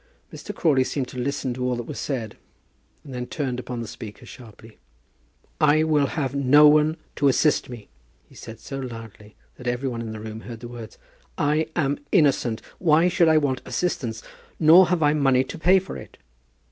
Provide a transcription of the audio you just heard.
Mr. Crawley seemed to listen to all that was said, and then turned upon the speaker sharply: "I will have no one to assist me," he said so loudly that every one in the room heard the words. "I am innocent. Why should I want assistance? Nor have I money to pay for it."